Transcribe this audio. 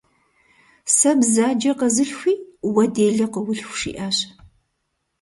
«Сэ бзаджэ къэзылъхуи, уэ делэ къыулъху», - жиӀащ.